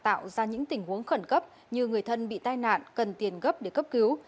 tạo ra những tình huống khẩn cấp như người thân bị tai nạn cần tiền gấp để cấp cứu